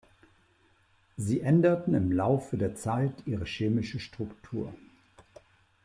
Sie änderten im Laufe der Zeit ihre chemische Struktur.